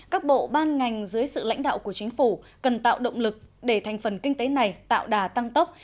các bộ ban ngành dưới sự lãnh đạo của chính phủ cần tạo động lực để thành phần kinh tế này tạo đà tăng tốc